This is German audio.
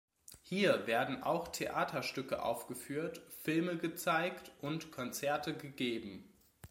Hier werden auch Theaterstücke aufgeführt, Filme gezeigt und Konzerte gegeben.